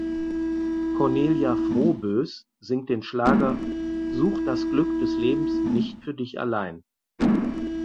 Cornelia Froboess singt den Schlager „Such das Glück des Lebens nicht für Dich allein“.